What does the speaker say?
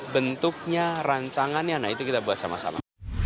bentuknya rancangannya nah itu kita buat sama sama